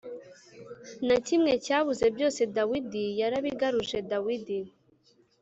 Na Kimwe Cyabuze Byose Dawidi Yarabigaruje Dawidi